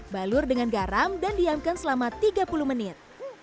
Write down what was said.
balur dengan garam dan diamkan selama tiga puluh menit